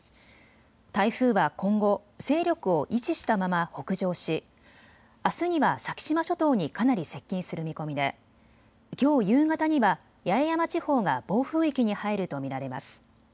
台風は今後、勢力を維持したまま北上し、あすには先島諸島にかなり接近する見込みできょう夕方には八重山地方が暴風域に入ると見られます。